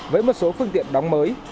với một số phương tiện đóng mới